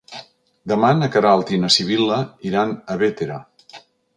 Demà na Queralt i na Sibil·la iran a Bétera.